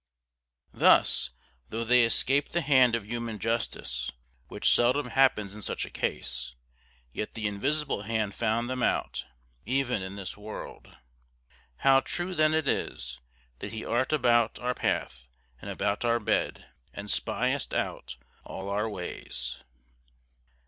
Thus, though they escaped the hand of human justice (which seldom happens in such a case), yet the Invisible Hand found them out, even in this world. How true then it is, that He art about our path, and about our bed, and spiest out all our ways!